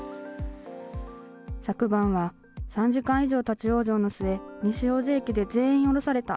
昨晩は３時間以上立往生の末、西大路駅で全員降ろされた。